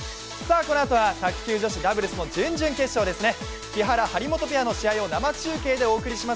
このあとは卓球女子ダブルスの準々決勝ですね。